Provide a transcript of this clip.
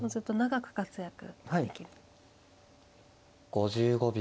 ５５秒。